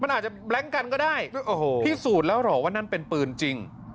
มันอาจจะแบล็งกันก็ได้พิสูจน์แล้วเหรอว่านั่นเป็นปืนจริง